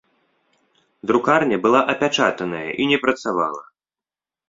Друкарня была апячатаная і не працавала.